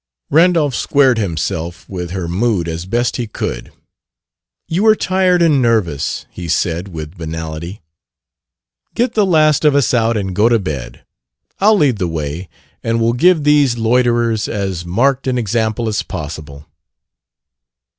Randolph squared himself with her mood as best he could. "You are tired and nervous," he said with banality. "Get the last of us out and go to bed. I'll lead the way, and will give these loiterers as marked an example as possible."